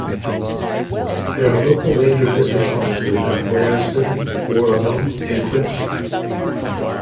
There are local ranger district offices in Blairsden, Oroville, and Quincy.